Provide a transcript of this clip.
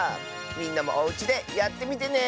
みんなもおうちでやってみてね。